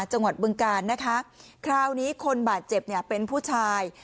บึงการนะคะคราวนี้คนบาดเจ็บเนี่ยเป็นผู้ชาย